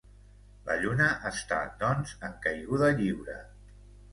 La Lluna està, doncs, en caiguda lliure.